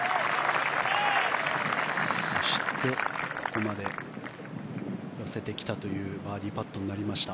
そしてここまで寄せてきたというバーディーパットになりました。